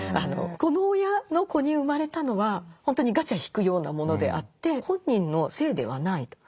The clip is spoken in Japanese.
この親の子に生まれたのは本当にガチャ引くようなものであって本人のせいではないと。